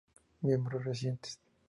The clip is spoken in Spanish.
Miembros Recientes